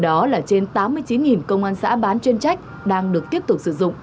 đó là trên tám mươi chín công an xã bán chuyên trách đang được tiếp tục sử dụng